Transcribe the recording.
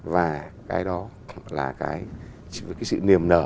và cái đó là cái sự niềm nở